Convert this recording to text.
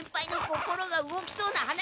心が動きそうな話？